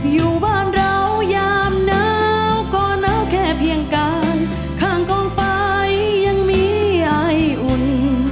อยู่บ้านเรายามหนาวก็หนาวแค่เพียงการข้างกองไฟยังมีไออุ่น